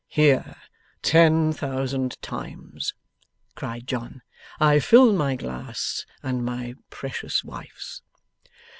'Here! ten thousand times!' cried John. 'I fill my glass and my precious wife's.